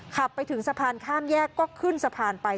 ขับไปถึงสะพานข้ามแยกก็ขึ้นสะพานไป